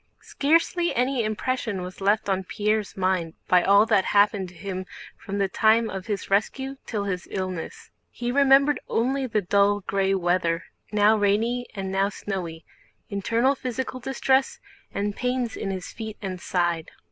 Scarcely any impression was left on Pierre's mind by all that happened to him from the time of his rescue till his illness. He remembered only the dull gray weather now rainy and now snowy, internal physical distress, and pains in his feet and side.